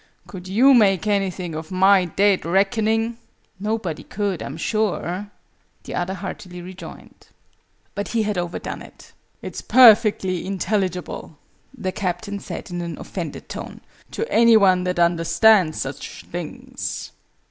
Could you make anything of My Dead Reckoning?" "Nobody could, I'm sure!" the other heartily rejoined. But he had overdone it. "It's perfectly intelligible," the Captain said, in an offended tone, "to any one that understands such things."